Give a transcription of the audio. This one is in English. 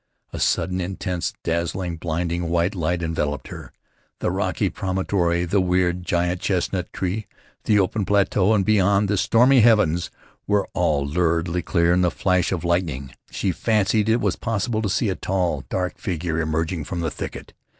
A sudden, intense, dazzling, blinding, white light enveloped her. The rocky promontory, the weird, giant chestnut tree, the open plateau, and beyond, the stormy heavens, were all luridly clear in the flash of lightning. She fancied it was possible to see a tall, dark figure emerging from the thicket.